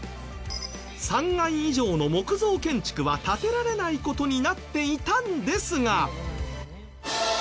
３階以上の木造建築は建てられない事になっていたんですが。